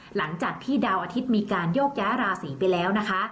หลังจากที่ดาวอาทิตย์มีการโยกย้ายราศีไปแล้วนะคะ